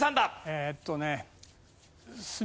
えっとね。